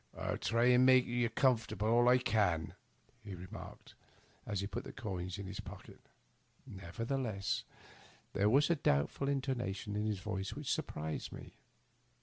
" m try and make yer comfortable all I can," he remarked, as he put the coins in his pocket. Neverthe less, there was a doubtful intonation in his voice which surprised me.